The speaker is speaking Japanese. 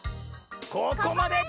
ここまで！